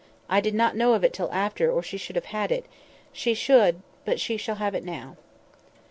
I did not know of it till after, or she should have had it—she should; but she shall have it now.